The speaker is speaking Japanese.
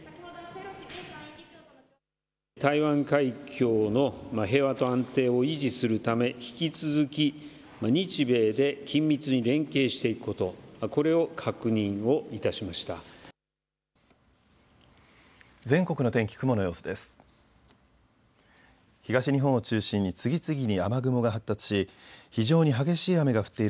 台湾海峡の平和と安定を維持するため引き続き日米で緊密に連携していくこと、これを確認をいたしました。